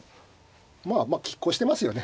まあきっ抗してますよね